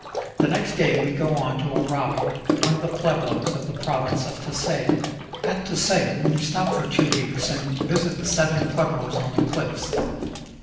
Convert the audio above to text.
The next day we go on to Oraibi, one of the pueblos of the Province of Tusayan. At Tusayan we stop for two weeks and visit the seven pueblos on the cliffs.